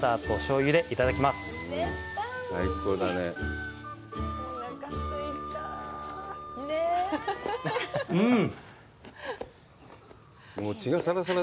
うん。